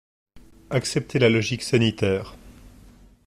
Acceptez la logique sanitaire.